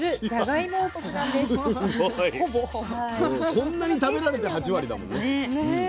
こんなに食べられて８割だもん。ね。